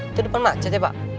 itu depan macet ya pak